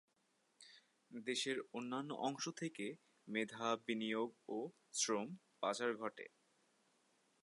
দেশের অন্যান্য অংশ থেকে মেধা, বিনিয়োগ ও শ্রম পাচার ঘটে।